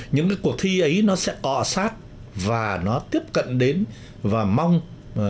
những cái cuộc thi ấy nó sẽ cọ sát và nó tiếp cận đến và mong những tác giả trẻ